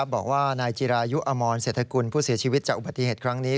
บอกว่านายจิรายุอมรเศรษฐกุลผู้เสียชีวิตจากอุบัติเหตุครั้งนี้